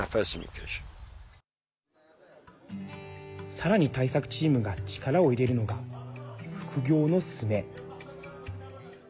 さらに、対策チームが力を入れるのが副業のススメ。